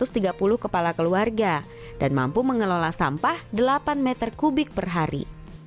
ksm ceremai dapat melayani enam ratus tiga puluh kepala keluarga dan mampu mengelola sampah delapan meter kubik per hari